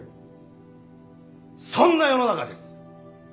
そんな世の中です。